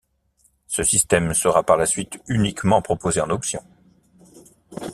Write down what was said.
Ce système sera par la suite uniquement proposé en option.